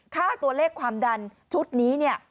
ค่าตัวเลขความดันชุดนี้เนี่ย